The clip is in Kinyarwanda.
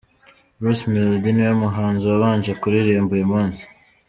Bruce Melody niwe muhanzi wabanje kuririmba uyu munsi